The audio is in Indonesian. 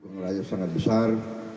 dukungan rakyat sangat besar